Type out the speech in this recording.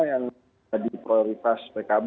yang menjadi prioritas pkb